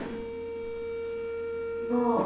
维捷尔尼科夫生于斯维尔德洛夫斯克。